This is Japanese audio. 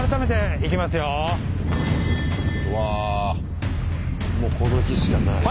わあもうこの日しかない。